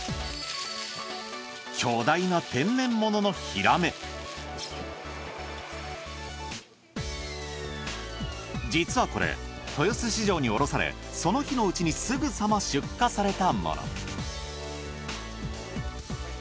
巨大な実はこれ豊洲市場に卸されその日のうちにすぐさま出荷されたもの。